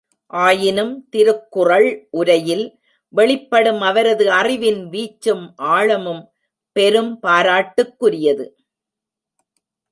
ஆயினும் திருக்குறள் உரையில் வெளிப்படும் அவரது அறிவின் வீச்சும் ஆழமும் பெரும் பாராட்டுக்குரியது.